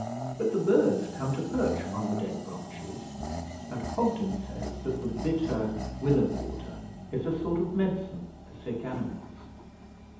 But the birds come to perch on the dead branches, and Hobden says that the bitter willow water is a sort of medicine for sick animals.